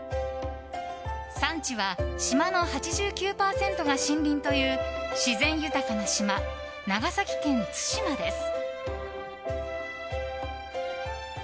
産地は島の８９％が森林という自然豊かな島、長崎県対馬です。